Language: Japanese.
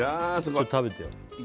ちょっと食べてよ